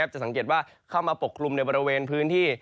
จะสังเกตว่าเข้ามาปกคลุมในบริเวณพื้นที่